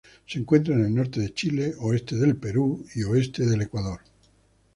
Se encuentra en el norte de Chile, oeste del Perú y oeste de Ecuador.